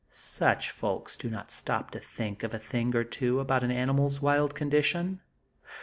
Such folks do not stop to think of a thing or two about an animal's wild condition.